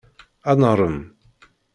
Ad narem.